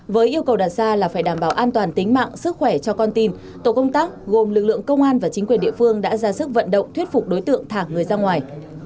với yêu cầu đặt ra là phải đảm bảo an toàn tính mạng sức khỏe cho con tin tổ công tác gồm lực lượng công an và chính quyền địa phương đã ra sức vận động thuyết phục đối tượng thả người ra ngoài